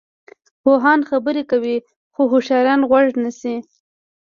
پوهان خبرې کوي خو هوښیاران غوږ نیسي.